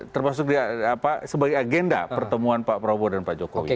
termasuk sebagai agenda pertemuan pak prabowo dan pak jokowi